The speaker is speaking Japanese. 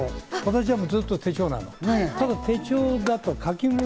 私はずっと手帳。